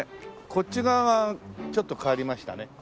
こっち側がちょっと変わりましたね。